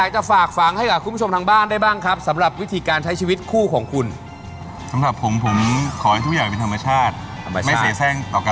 ก็คือคุณพูดมีอะไรพูดกันตรงค่ะ